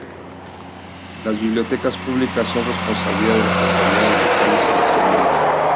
Las bibliotecas públicas son responsabilidad de las autoridades locales y nacionales.